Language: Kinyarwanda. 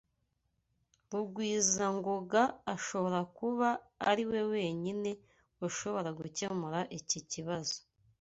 Rugwizangoga ashobora kuba ariwe wenyine ushobora gukemura iki kibazo.